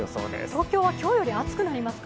東京は今日より暑くなりますか。